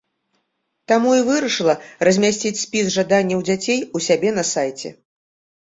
Таму і вырашыла размясціць спіс жаданняў дзяцей у сябе на сайце.